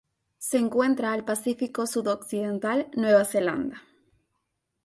Se encuentra al Pacífico sud-occidental: Nueva Zelanda.